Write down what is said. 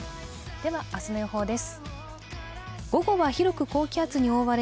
明日の予報です。